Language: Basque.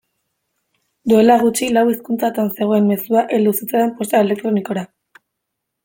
Duela gutxi lau hizkuntzatan zegoen mezua heldu zitzaidan posta elektronikora.